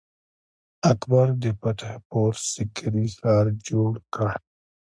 اکبر د فتح پور سیکري ښار جوړ کړ.